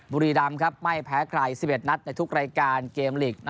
บุรีรำไม่แพ้ใคร๑๑นัดในทุกรายการเกมลีก